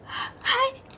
はい！